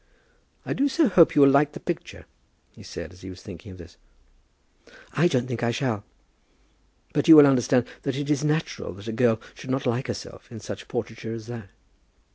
"I do so hope you will like the picture," he said, as he was thinking of this. "I don't think I shall. But you will understand that it is natural that a girl should not like herself in such a portraiture as that."